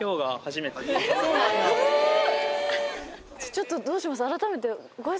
ちょっとどうします？